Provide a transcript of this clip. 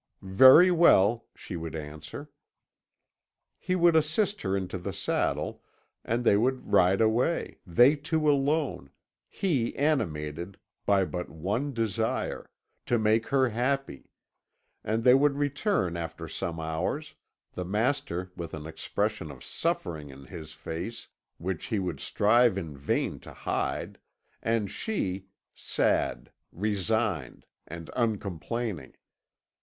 "'Very well,' she would answer. "He would assist her into the saddle, and they would ride away, they two alone, he animated by but one desire to make her happy; and they would return after some hours, the master with an expression of suffering in his face which he would strive in vain to hide, and she, sad, resigned, and uncomplaining.